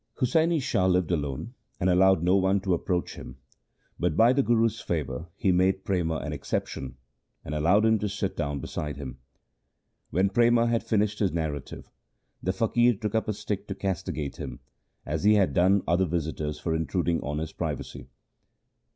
Husaini Shah lived alone and allowed no one to approach him, but by the Guru's favour he made Prema an exception, and allowed him to sit down beside him. When Prema had finished his narrative, the faqir took up a stick to castigate him, as he had done other visitors for intruding on his privacy.